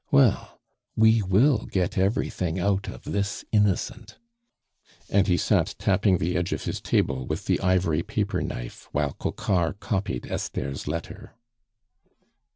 Well, we will get everything out of this innocent." And he sat tapping the edge of his table with the ivory paper knife, while Coquart copied Esther's letter.